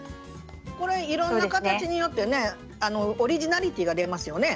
これいろんな形によってねオリジナリティーが出ますよね。